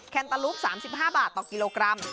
แนตาลูป๓๕บาทต่อกิโลกรัม